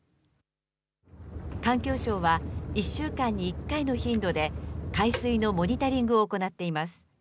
環境省は、１週間に１回の頻度で海水のモニタリングを行っています。